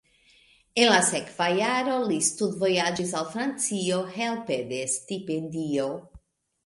En la sekva jaro li studvojaĝis al Francio helpe de stipendio.